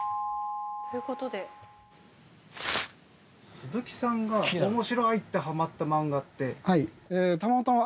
鈴木さんが面白いってハマった漫画って？